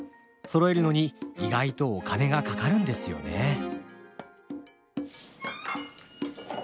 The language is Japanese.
そろえるのに意外とお金がかかるんですよねえ。